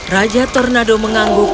raja tornado mengangguk